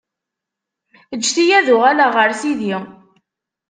ǧǧet-iyi ad uɣaleɣ ɣer sidi.